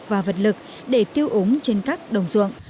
và vật lực để tiêu úng trên các đồng ruộng